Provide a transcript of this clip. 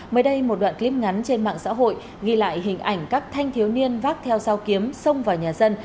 mới đây một đoạn clip ngắn trên mạng xã hội ghi lại hình ảnh các thanh thiếu niên vác theo dao kiếm xông vào nhà dân